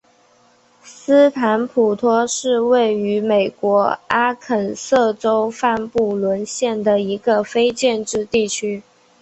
斯坦普托是位于美国阿肯色州范布伦县的一个非建制地区。